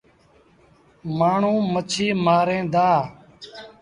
مآڻهوٚݩ مڇيٚ مآرين دآ۔